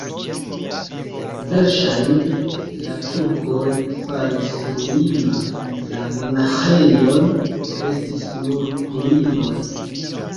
Verŝajne la turkoj faris ruina la monaĥejon, restis nur ruinoj.